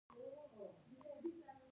زه د ډرامې پای ته انتظار کوم.